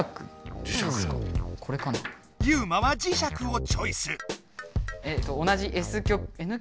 ユウマは磁石をチョイス！